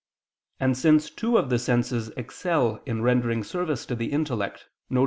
And since two of the senses excel in rendering service to the intellect, viz.